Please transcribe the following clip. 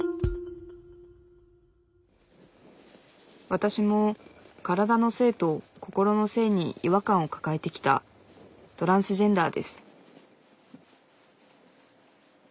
わたしも体の性と心の性に違和感を抱えてきたトランスジェンダーです